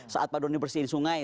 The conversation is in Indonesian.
saat pak doni bersihin sungai